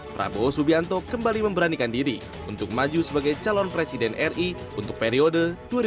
prabowo subianto kembali memberanikan diri untuk maju sebagai calon presiden ri untuk periode dua ribu sembilan belas dua ribu dua puluh empat